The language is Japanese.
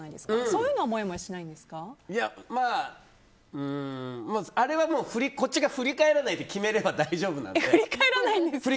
そういうのはまあ、あれはこっちが振り返らないと決めれば大丈夫なので。